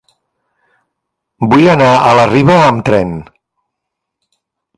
Vull anar a la Riba amb tren.